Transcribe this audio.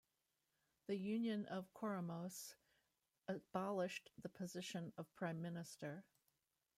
The Union of Comoros abolished the position of Prime Minister.